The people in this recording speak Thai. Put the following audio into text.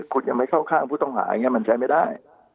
คุณยังไม่เข้าข้างผู้ต้องหาอย่างนี้มันใช้ไม่ได้